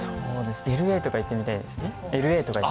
ＬＡとか行ってみたいですね。